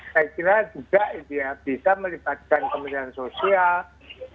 saya kira juga ini ya bisa melibatkan pemerintahan sosial